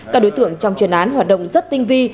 các đối tượng trong chuyên án hoạt động rất tinh vi